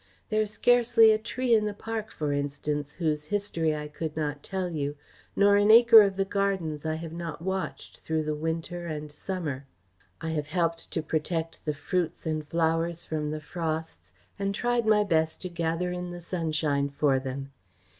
There is scarcely a tree in the park, for instance, whose history I could not tell you, nor an acre of the gardens I have not watched through the winter and summer; I have helped to protect the fruits and flowers from the frosts, and tried my best to gather in the sunshine for them.